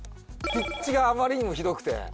ピッチがあまりにもひどくて。